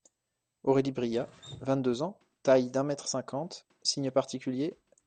Aurélie Briat, — vingt-deux ans, — taille d'un mètre cinquante ; signes particuliers …